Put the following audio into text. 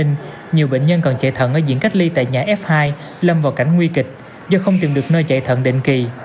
nhiều bệnh nhân còn chạy thận ở diện cách ly tại nhà f hai lâm vào cảnh nguy kịch do không tìm được nơi chạy thận định kỳ